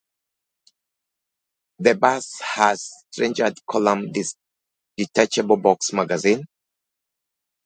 The "Bars" has staggered column detachable box magazine.